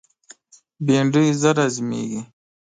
بېنډۍ ژر هضمیږي